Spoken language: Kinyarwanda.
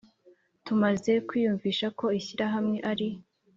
Tumaze kwiyumvisha ko ishyirahamwe ari